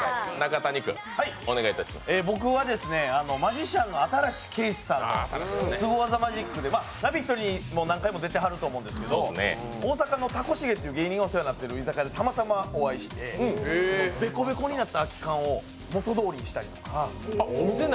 僕はマジシャンの新子景視さんのすご技マジックで、「ラヴィット！」にも何回も出てはると思うんですけど大阪のお世話になってる居酒屋でたまたまお会いして、べこべこになった空き缶を元どおりにしたりとか。